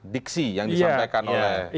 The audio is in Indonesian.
diksi yang disampaikan oleh